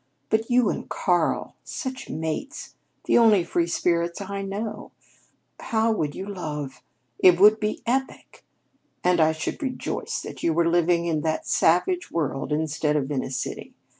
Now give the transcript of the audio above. But you and Karl such mates the only free spirits I know! How you would love! It would be epic. And I should rejoice that you were living in that savage world instead of in a city.